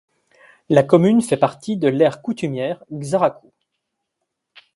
La commune fait partie de l'aire coutumière Xaracuu.